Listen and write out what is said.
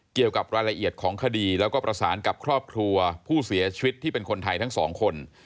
เกี่ยวกับรายละเอียดของคดีแล้วก็ประสานกับครอบครัวผู้เสียชีวิตที่เป็นคนไทยทั้งสองคน